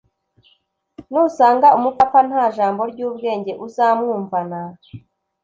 nusanga umupfapfa, nta jambo ry’ubwenge uzamwumvana